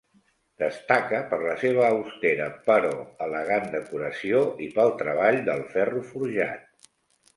Destaca per la seva austera però elegant decoració i pel treball del ferro forjat.